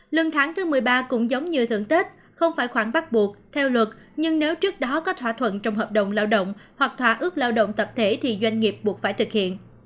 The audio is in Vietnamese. lương tháng thứ một mươi ba cũng giống như thưởng tết không phải khoản bắt buộc theo luật nhưng nếu trước đó có thỏa thuận trong hợp đồng lao động hoặc thỏa ước lao động tập thể thì doanh nghiệp buộc phải thực hiện